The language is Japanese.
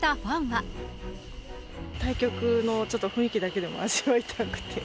対局のちょっと、雰囲気だけでも味わいたくて。